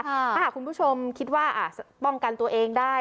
ถ้าหากคุณผู้ชมคิดว่าป้องกันตัวเองได้